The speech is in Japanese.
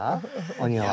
お庭。